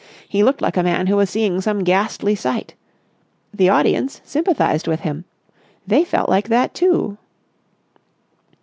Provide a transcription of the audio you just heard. He looked like a man who was seeing some ghastly sight. The audience sympathised with him. They felt like that, too.